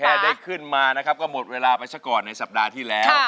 ใช่แหละครับแค่ได้ขึ้นมานะครับก็หมดเวลาไปชะกอดในสัปดาห์ที่แล้ว